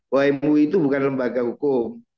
bahwa mui itu bukan lembaga hukum